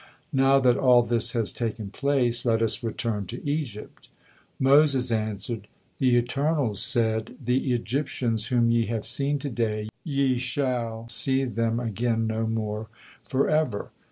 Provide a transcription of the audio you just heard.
Now that all this has taken place, let us return to Egypt." Moses answered: "The Eternal said, 'The Egyptians whom ye have seen to day, yes shall see them again no more forever.'"